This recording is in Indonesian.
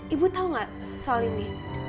ibu tau gak soal ini